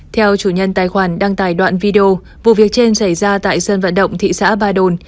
theo chủ nhân tài khoản đăng tải đoạn video vụ việc trên xảy ra tại sân vận động thị xã ba đồn